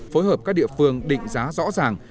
phối hợp các địa phương định giá rõ ràng